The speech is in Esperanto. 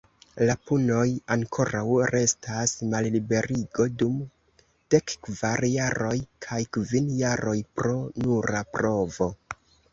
La punoj ankoraŭ restas malliberigo dum dekkvar jaroj, kaj kvin jaroj pro nura provo.